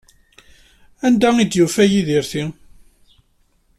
Anda ay d-yufa Yidir ti?